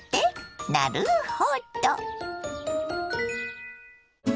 なるほど！